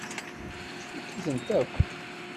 Tfukk-itent akk.